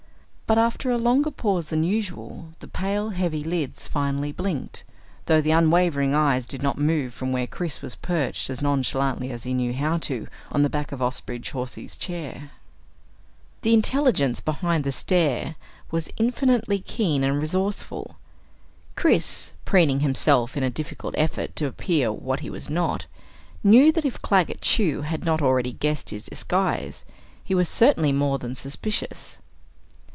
But after a longer pause than usual, the pale heavy lids finally blinked, though the unwavering eyes did not move from where Chris was perched, as nonchalantly as he knew how to, on the back of Osterbridge Hawsey's chair. The intelligence behind the stare was infinitely keen and resourceful. Chris, preening himself in a difficult effort to appear what he was not, knew that if Claggett Chew had not already guessed his disguise, he was certainly more than suspicious.